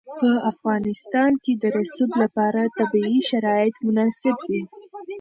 په افغانستان کې د رسوب لپاره طبیعي شرایط مناسب دي.